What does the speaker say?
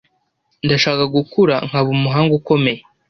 Ndashaka gukura nkaba umuhanga ukomeye